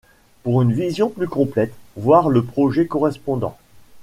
Pour une vision plus complète, voir le projet correspondant →